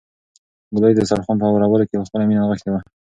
ګلالۍ د دسترخوان په هوارولو کې خپله مینه نغښتې وه.